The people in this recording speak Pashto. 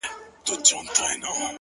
پرېميږده “ پرېميږده سزا ده د خداى”